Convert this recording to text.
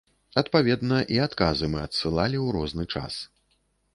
Адпаведна, і адказы мы адсылалі ў розны час.